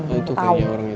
oh itu kayaknya orang itu